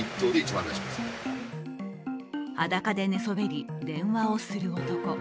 裸で寝そべり、電話をする男。